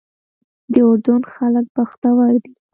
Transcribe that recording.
د اردن خلک بختور دي.